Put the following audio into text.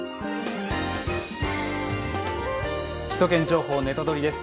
「首都圏情報ネタドリ！」です。